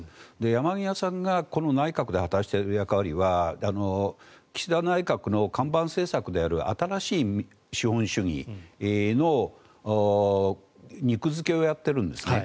山際さんがこの内閣で果たしている役割は岸田内閣の看板政策である新しい資本主義の肉付けをやっているんですね